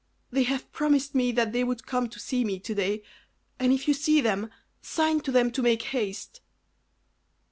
They have promised me that they would come to see me to day; and if you see them, sign to them to make haste."